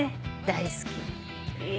大好き。